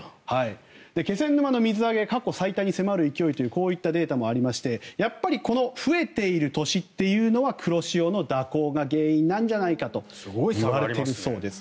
気仙沼の水揚げ過去最多に迫る勢いということでこういったデータもありましてやっぱり増えている年というのは黒潮の蛇行が原因じゃないかといわれているそうです。